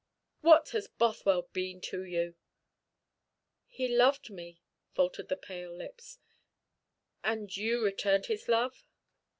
What has Bothwell been to you?" "He loved me " faltered the pale lips. "And you returned his love?"